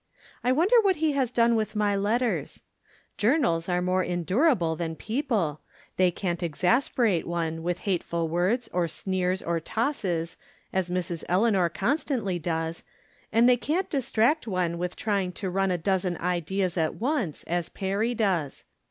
I wonder what he has done with my let ters ? Journals are more endurable than people ; they can't exasperate one with hateful words or sneers or tosses, as Mrs. Eleanor constantly does, and they can't distract one with trying to run a dozen ideas at once, as Perry does.